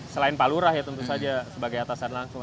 selain pak lurah ya tentu saja sebagai atasan langsung